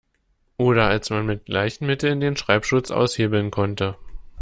Oder als man mit gleichen Mitteln den Schreibschutz aushebeln konnte.